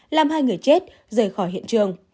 làm hai người chết rời khỏi hiện trường